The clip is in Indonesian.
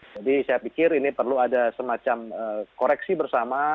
jadi saya pikir ini perlu ada semacam koreksi bersama